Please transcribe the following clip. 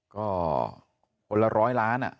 ก็คนละร้อยล้าน